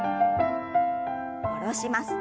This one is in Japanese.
下ろします。